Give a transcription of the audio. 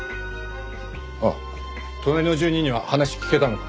あっ隣の住人には話聞けたのか？